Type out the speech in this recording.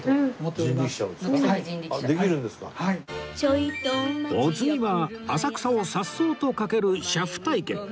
お次は浅草をさっそうと駆ける車夫体験！